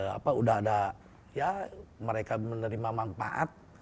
apa udah ada ya mereka menerima manfaat